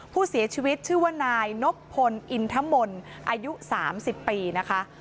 ผู้เสียชีวิตชื่อว่านายนบพลอินทมนต์อายุ๓๐ปีนะคะ